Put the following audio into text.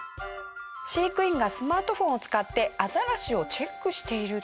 飼育員がスマートフォンを使ってアザラシをチェックしていると。